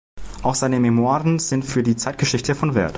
Auch seine Memoiren sind für die Zeitgeschichte von Wert.